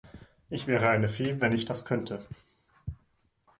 Ich wäre eine Fee, wenn ich das könnte.